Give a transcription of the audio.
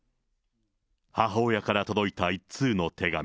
母親から届いた１通の手紙。